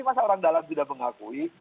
masa orang dalam tidak mengakui